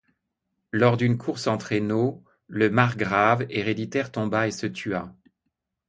Lors d'une course en traîneau, le margrave héréditaire tomba et se tua.